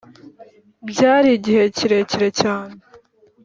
byari igihe kirekire cyane